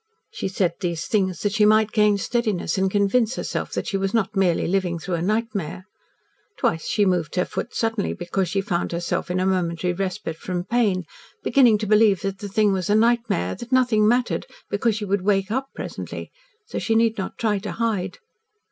She said these things that she might gain steadiness and convince herself that she was not merely living through a nightmare. Twice she moved her foot suddenly because she found herself in a momentary respite from pain, beginning to believe that the thing was a nightmare that nothing mattered because she would wake up presently so she need not try to hide.